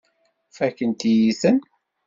Fakkent-iyi-ten.